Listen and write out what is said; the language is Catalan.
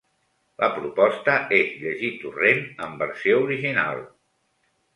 La proposta és llegir Torrent en versió original.